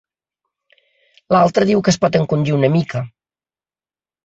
L'altre diu que es pot encongir una mica.